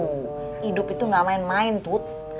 hidup itu nggak main main tut